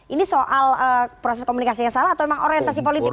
ini soal proses komunikasi yang salah atau memang orientasi politik